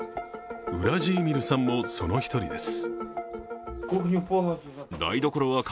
ウラジーミルさんも、その一人です